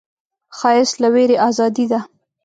ښایست له ویرې ازادي ده